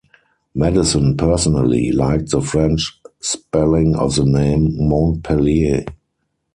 Madison personally liked the French spelling of the name "Montpellier".